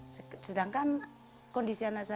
sedangkan kondisi anak saya masih masih berada di rumah